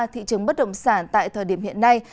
thị trường bất động sản tại thời điểm hiện nay